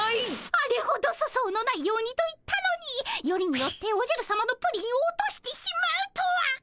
あれほど粗相のないようにと言ったのによりによっておじゃるさまのプリンを落としてしまうとは！